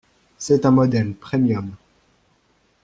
C'est un modèle premium.